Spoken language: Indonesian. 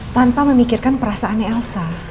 tanpa memikirkan perasaannya elsa